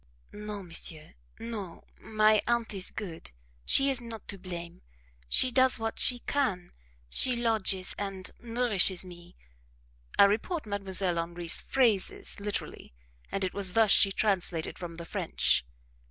"No monsieur, no my aunt is good she is not to blame she does what she can; she lodges and nourishes me" (I report Mdlle. Henri's phrases literally, and it was thus she translated from the French).